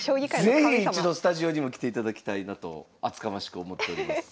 是非一度スタジオにも来ていただきたいなと厚かましく思っております。